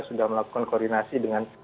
sudah melakukan koordinasi dengan